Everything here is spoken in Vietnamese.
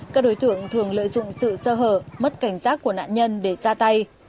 các đối tượng thường lợi dụng sự sơ hở mất cảnh giác của nạn nhân để ra tay